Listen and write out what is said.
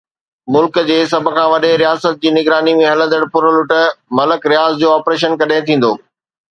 ملڪ جي سڀ کان وڏي رياست جي نگراني ۾ هلندڙ ڦرلٽ ملڪ رياض جو آپريشن ڪڏهن ٿيندو؟